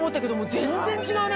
全然違うね。